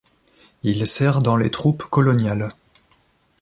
Il sert dans les troupes coloniales.